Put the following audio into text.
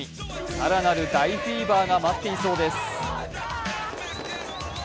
更なる大フィーバーが待っていそうです。